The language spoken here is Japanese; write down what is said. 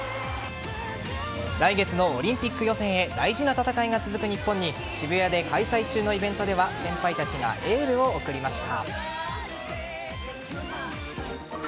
来月のオリンピック予選へ大事な戦いが続く日本に渋谷で開催中のイベントでは先輩たちがエールを送りました。